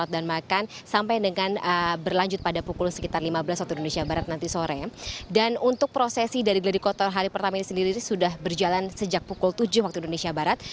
dan untuk prosesi dari gladi kotor hari pertama ini sendiri sudah berjalan sejak pukul tujuh waktu indonesia barat